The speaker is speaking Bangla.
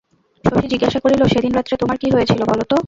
শশী জিজ্ঞাসা করিল, সেদিন রাত্রে তোমার কী হয়েছিল বলো তো?